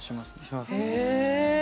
しますね。